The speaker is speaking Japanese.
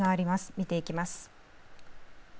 見ていきます。